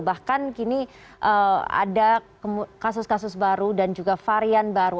bahkan kini ada kasus kasus baru dan juga varian baru